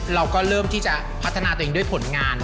เราก็เริ่มที่จะพัฒนาตัวเองด้วยผลงาน